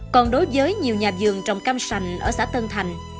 còn đối với nhiều nhà vườn trồng cam sành ở xã tân thành